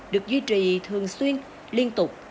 được duy trì thường xuyên liên tục